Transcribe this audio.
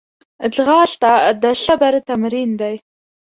ځغاسته د صبر تمرین دی